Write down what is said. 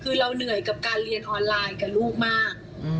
คือเราเหนื่อยกับการเรียนออนไลน์กับลูกมาก